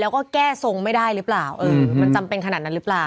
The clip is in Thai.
แล้วก็แก้ทรงไม่ได้หรือเปล่าเออมันจำเป็นขนาดนั้นหรือเปล่า